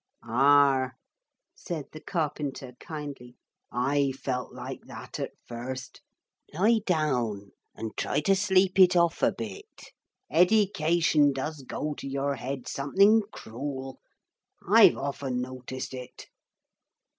'Ah!' said the carpenter kindly. 'I felt like that at first. Lie down and try to sleep it off a bit. Eddication does go to your head something crool. I've often noticed it.'